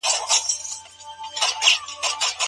رسول الله د خپلو ميرمنو سره د خندا برخورد څنګه کاوه؟